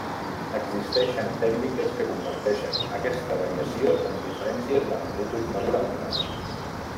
Existeixen tècniques que converteixen aquesta variació en diferències d'amplitud mesurables.